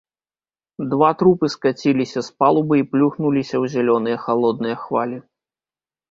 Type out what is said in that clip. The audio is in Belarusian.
Два трупы скаціліся з палубы і плюхнуліся ў зялёныя халодныя хвалі.